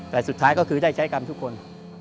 แต่สุดท้ายก็คือได้ใช้กรรมทุกคน